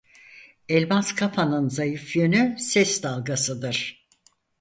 Elmas Kafa'nın zayıf yönü ses dalgasıdır.